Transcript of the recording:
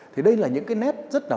thì đây là những cái nét rất đặc biệt